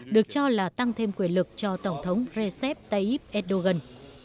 được cho là tăng thêm quyền lực cho tổng thống recep tayyip erdogan